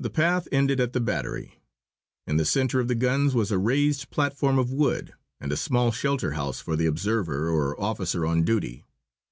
The path ended at the battery. In the centre of the guns was a raised platform of wood, and a small shelter house for the observer or officer on duty.